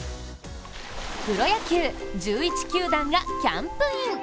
プロ野球１１球団がキャンプイン。